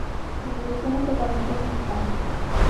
Su producción es totalmente mexicana.